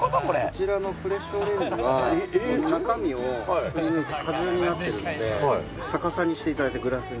こちらのフレッシュオレンジは中身をくりぬいて果汁になってるので逆さにして頂いてグラスに。